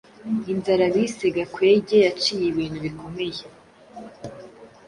inzara bise gakwege yaciye ibintu bikomeye.